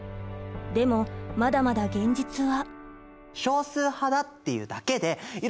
でもまだまだ現実は。